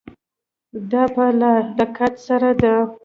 دا په لا دقت سره ده.